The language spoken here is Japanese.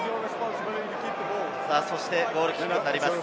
ゴールキックになります。